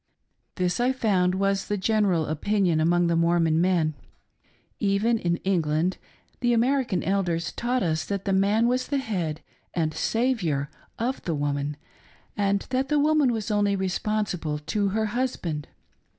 This, I found, was the general opinion among the Mormon men. Even in England, the American Elders had taught us that the man was the head and "saviour" of the woman, and that the woman was only responsible to her husband.